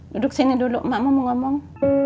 duduk sini dulu emakmu mau ngomong